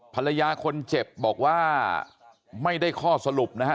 ภรรยาคนเจ็บบอกว่าไม่ได้ข้อสรุปนะฮะ